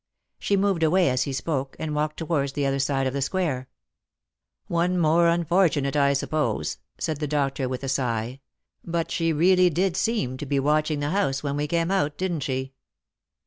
She moved away as he spoke, and walked towards the other side of the square. "' One more unfortunate,' I suppose," said the doctor with a sigh ;" but she really did seem to be watching the house when we came out, didn't she